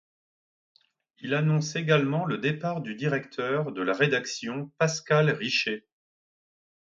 Il annonce également le départ du directeur de la rédaction Pascal Riché.